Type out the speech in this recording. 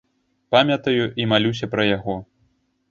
Памятаю і малюся пра яго.